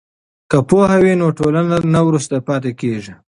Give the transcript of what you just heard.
که پوهه وي نو ټولنه نه وروسته پاتې کیږي.